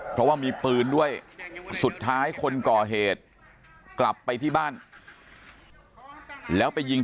เพราะว่ามีปืนด้วยสุดท้ายคนก่อเหตุกลับไปที่บ้านแล้วไปยิง